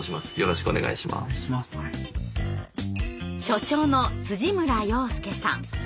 所長の村洋介さん。